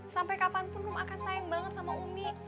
sampai kapanpun um akan sayang banget sama umi